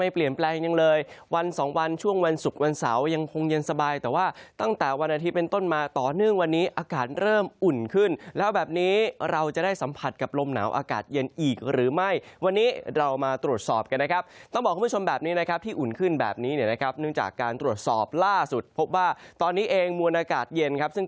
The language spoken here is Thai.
ไม่เปลี่ยนแปลงยังเลยวันสองวันช่วงวันศุกร์วันเสาร์ยังคงเย็นสบายแต่ว่าตั้งแต่วันอาทิตย์เป็นต้นมาต่อเนื่องวันนี้อากาศเริ่มอุ่นขึ้นแล้วแบบนี้เราจะได้สัมผัสกับลมหนาวอากาศเย็นอีกหรือไม่วันนี้เรามาตรวจสอบกันนะครับต้องบอกคุณผู้ชมแบบนี้นะครับที่อุ่นขึ้นแบบนี้เนี่ยนะครับเนื่อง